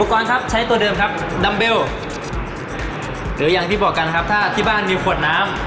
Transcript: ครับใช้ตัวเดิมครับดัมเบลหรืออย่างที่บอกกันครับถ้าที่บ้านมีขวดน้ำ